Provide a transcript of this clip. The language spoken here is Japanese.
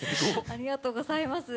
ありがとうございます。